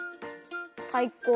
さいこう！